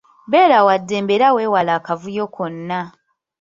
Beera wa ddembe era wewale akavuyo konna.